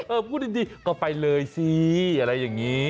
เออพูดจริงก็ไปเลยสิอะไรอย่างนี้